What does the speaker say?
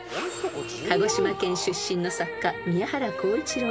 ［鹿児島県出身の作家宮原晃一郎が］